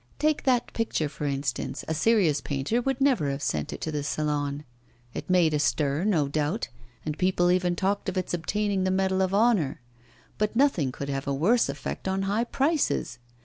Take that picture, for instance, a serious painter would never have sent it to the Salon; it made a stir, no doubt, and people even talked of its obtaining the medal of honour; but nothing could have a worse effect on high prices.